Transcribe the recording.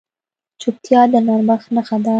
چوپتیا، د نرمښت نښه ده.